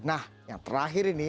nah yang terakhir ini